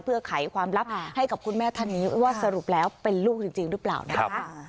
เพื่อไขความลับให้กับคุณแม่ท่านนี้ว่าสรุปแล้วเป็นลูกจริงหรือเปล่านะคะ